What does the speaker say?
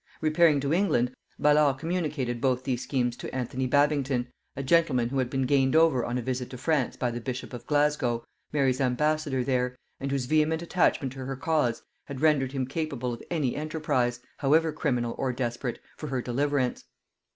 Repairing to England, Ballard communicated both these schemes to Anthony Babington, a gentleman who had been gained over on a visit to France by the bishop of Glasgow, Mary's ambassador there, and whose vehement attachment to her cause had rendered him capable of any enterprise, however criminal or desperate, for her deliverance.